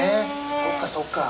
そうかそうか。